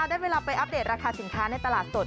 ได้เวลาไปอัปเดตราคาสินค้าในตลาดสด